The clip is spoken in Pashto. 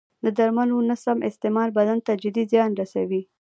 د درملو نه سم استعمال بدن ته جدي زیان رسوي.